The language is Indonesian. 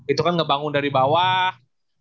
itu kan ngebangun dari bawah